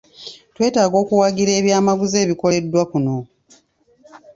Twetaaga okuwagira ebyamaguzi ebikoleddwa kuno.